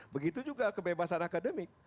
begitu juga kebebasan akademik